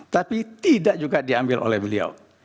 tapi tidak juga diambil oleh beliau